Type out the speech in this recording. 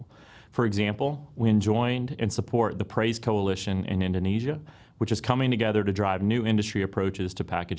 contohnya kami telah bergabung dan mendukung koalis pembangunan pembangunan di indonesia yang sedang berkumpul untuk menggabungkan pendekatan industri baru untuk masalah pakej